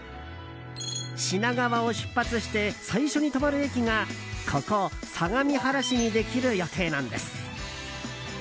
品川を出発して最初に止まる駅がここ、相模原市にできる予定なんです。